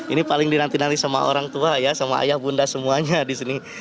ini paling dinanti nanti sama orang tua ya sama ayah bunda semuanya di sini